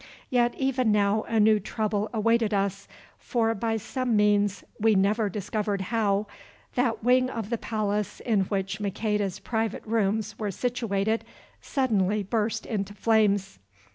Yet even now a new trouble awaited us, for by some means, we never discovered how, that wing of the palace in which Maqueda's private rooms were situated suddenly burst into flames.